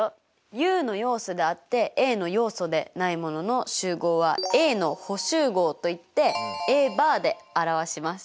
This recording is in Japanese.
Ｕの要素であってＡの要素でないものの集合はＡの補集合といってＡバーで表します。